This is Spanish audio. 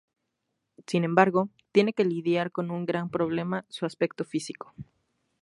Sin embargo, tiene que lidiar con un gran problema, su aspecto físico.